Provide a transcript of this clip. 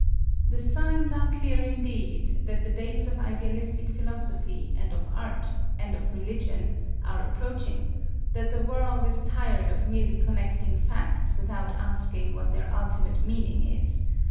The signs are clear indeed that the days of idealistic philosophy and of art, and of religion, are approaching; that the world is tired of merely connecting facts without asking what their ultimate meaning is.